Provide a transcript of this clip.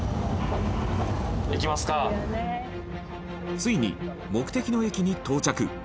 ついに、目的の駅に到着